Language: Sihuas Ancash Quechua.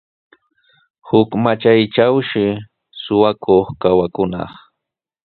Huk matraytrawshi suqakuq pakakunaq.